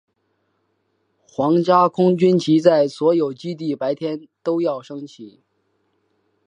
皇家空军旗在所有基地白天都要升起。